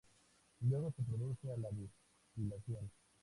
Luego se procede a la destilación.